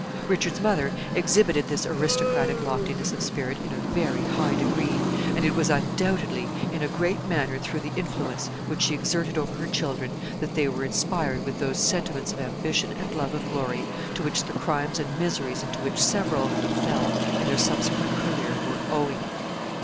Richard's mother exhibited this aristocratic loftiness of spirit in a very high degree, and it was undoubtedly in a great manner through the influence which she exerted over her children that they were inspired with those sentiments of ambition and love of glory to which the crimes and miseries into which several of them fell in their subsequent career were owing.